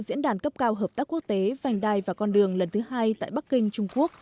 diễn đàn cấp cao hợp tác quốc tế vành đai và con đường lần thứ hai tại bắc kinh trung quốc